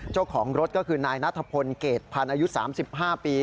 เจ้าของรถก็คือนายนัทพลเกรดพันธ์อายุ๓๕ปี